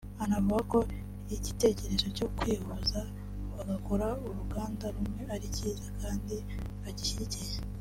Anavuga ko igitekerezo cyo kwihuza bagakora uruganda rumwe ari cyiza kandi agishyigikiye